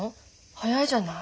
早いじゃない。